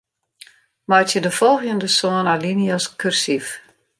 Meitsje de folgjende sân alinea's kursyf.